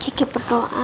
kiki perdoa lo semua ya